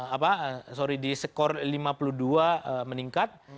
apa sorry di skor lima puluh dua meningkat